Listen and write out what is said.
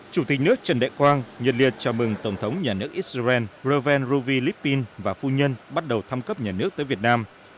chủ tịch nước trần đại quang nhận liệt chào mừng tổng thống nhà nước israel reuven ruvi riplin và phu nhân bắt đầu thăm cấp nhà nước tới việt nam